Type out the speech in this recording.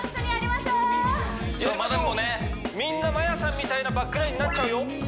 みんなマヤさんみたいなバックラインになっちゃうよ